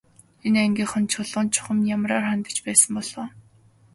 Энэ ангийнхан Чулуунд чухам ямраар хандаж байсан бол оо.